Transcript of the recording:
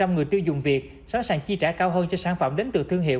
tám mươi người tiêu dùng việt sẵn sàng chi trả cao hơn cho sản phẩm đến từ thương hiệu